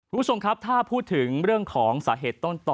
คุณผู้ชมครับถ้าพูดถึงเรื่องของสาเหตุต้นต่อ